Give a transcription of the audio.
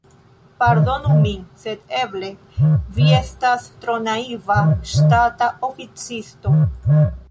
Pardonu min, sed eble vi estas tro naiva ŝtata oficisto.